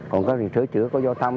còn cái sửa chữa của do lưu thông